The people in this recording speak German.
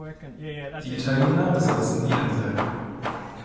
Die Italiener besetzen die Insel.